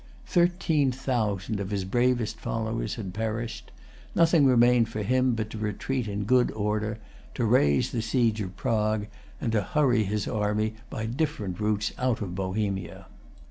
Thirteen thousand of his bravest followers had perished. Nothing remained for him but to retreat in good order, to raise the siege of Prague, and to hurry his army by different routes out of Bohemia.